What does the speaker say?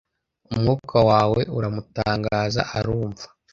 Umwuka wawe uramutangaza arumva